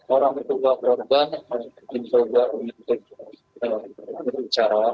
orang itu mbak korban mbak ibtu juga menjelaskan